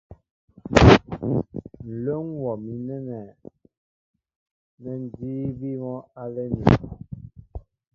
Ǹlə́ ḿ wɔ mi nɛ́nɛ́ nɛ́ ńdííbí mɔ́ álɛ́ɛ́ myēŋ.